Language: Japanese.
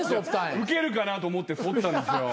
ウケるかなと思ってそったんですよ。